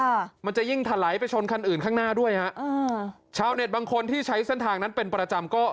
ค่ะมันจะยิ่งถาไร้ไปชนคันอื่นข้างหน้าด้วยบางคนที่ใช้เส้นทางนั้นเป็นประจำก็